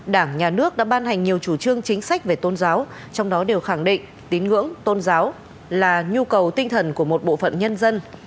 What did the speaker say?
đảng nhà nước đã ban hành nhiều chủ trương chính sách về tôn giáo trong đó đều khẳng định tín ngưỡng tôn giáo là nhu cầu tinh thần của một bộ phận nhân dân